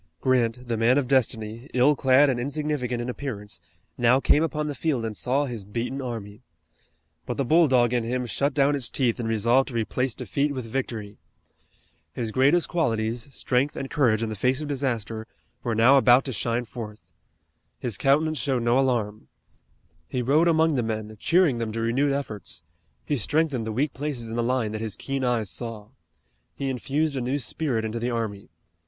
Grant, the man of destiny, ill clad and insignificant in appearance, now came upon the field and saw his beaten army. But the bulldog in him shut down its teeth and resolved to replace defeat with victory. His greatest qualities, strength and courage in the face of disaster, were now about to shine forth. His countenance showed no alarm. He rode among the men cheering them to renewed efforts. He strengthened the weak places in the line that his keen eyes saw. He infused a new spirit into the army.